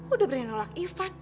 udah berani nolak ivan